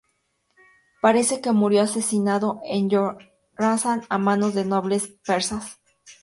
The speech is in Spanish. Parece que murió asesinado en Jorasán a manos de nobles persas.